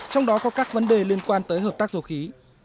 trong đó có các vấn đề liên quan tới hợp tác dầu khí